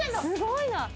すごいな。